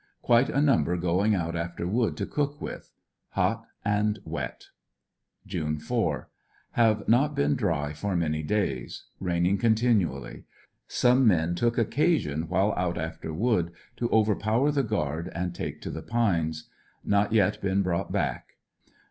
Quite a num ber going out after wood to cook with Hot and wet. June 4. — Plave not been dry for many days. Raining continu ally. Some men took occasion while out after wood, to overpower the guard and take to the pines. Not yet been brought back.